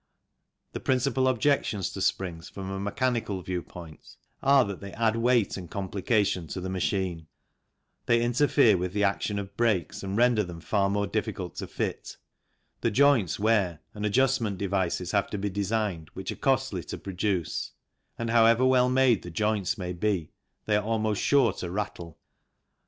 The principal objections to springs from a mechanical view point are that they add weight and complication to the machine ; they interfere with the action of brakes and render them far more difficult to fit ; the joints wear and adjustment devices have to be designed , which are costly to produce, and however well made the joints may be, they are almost sure to rattle.